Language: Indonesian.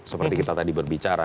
seperti kita tadi berbicara